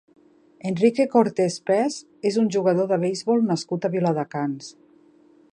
Enrique Cortés Pes és un jugador de beisbol nascut a Viladecans.